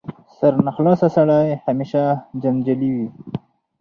سرناخلاصه سړی همېشه جنجالي وي.